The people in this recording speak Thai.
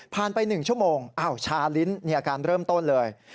ผ่านไป๑ชั่วโมงอ้าวชาลิ้นเนี่ยอาการเริ่มต้นเลย